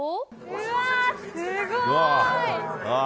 うわー、すごい。